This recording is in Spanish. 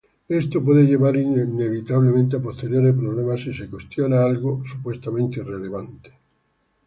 Esto puede llevar, inevitablemente, a posteriores problemas si se cuestiona algo supuestamente irrelevante.